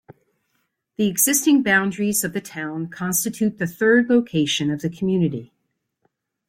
The existing boundaries of the town constitute the third location of the community.